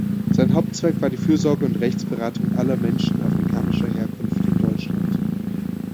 Sein Hauptzweck war die Fürsorge und Rechtsberatung aller Menschen afrikanischer Herkunft in Deutschland.